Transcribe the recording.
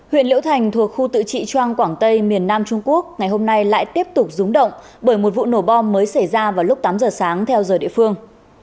huyện liễu thành thuộc khu tự trị trang quảng tây miền nam trung quốc ngày hôm nay lại tiếp tục rúng động bởi một vụ nổ bom mới xảy ra vào lúc tám giờ sáng theo giờ địa phương